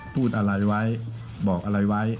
พูดอะไรไว้บอกอะไรไว้